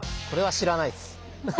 これは知らないっす。